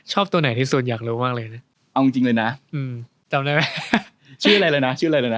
ตัวไหนที่สุดอยากรู้มากเลยนะเอาจริงเลยนะจำได้ไหมชื่ออะไรเลยนะชื่ออะไรเลยนะ